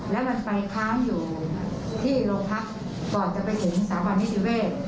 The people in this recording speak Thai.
แล้วมันไปค้างอยู่ที่โรงพักก่อนจะไปถึงสถาบันนิติเวศ